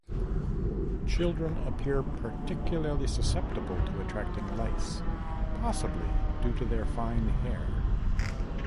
Children appear particularly susceptible to attracting lice, possibly due to their fine hair.